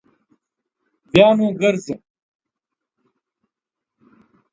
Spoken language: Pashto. بیا نو ګرځه